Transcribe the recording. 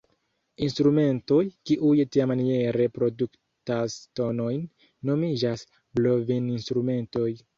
Instrumentoj, kiuj tiamaniere produktas tonojn, nomiĝas blovinstrumentoj.